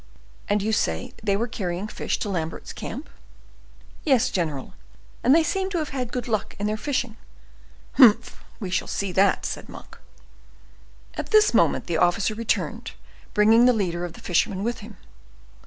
"And you say they were carrying fish to Lambert's camp?" "Yes, general, and they seem to have had good luck in their fishing." "Humph! We shall see that," said Monk. At this moment the officer returned, bringing the leader of the fishermen with him.